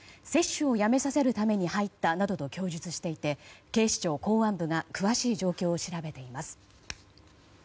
接種をやめさせるために入ったなどと供述していて警視庁公安部が詳しい状況を調べています。